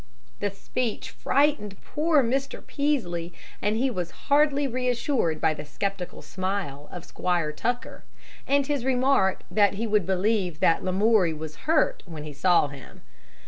The speech frightened poor Mr. Peaslee, and he was hardly reassured by the skeptical smile of Squire Tucker, and his remark that he would believe that Lamoury was hurt when he saw him.